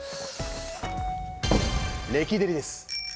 レキデリです。